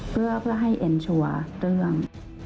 เพื่อให้เอ็นชัวร์เรื่อง